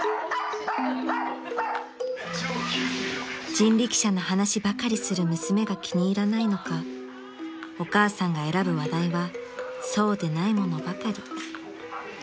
［人力車の話ばかりする娘が気に入らないのかお母さんが選ぶ話題はそうでないものばかり］